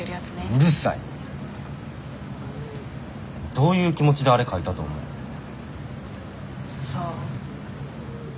どういう気持ちであれ書いたと思う？さあ。